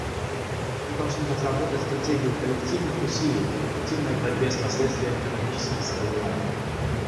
Мы должны разработать стратегию коллективных усилий по эффективной борьбе с последствиями хронических заболеваний.